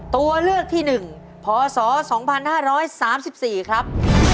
ตัวเลือกที่๑พศ๒๕๓๔ครับ